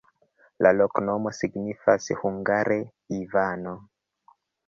La loknomo signifas hungare: Ivano.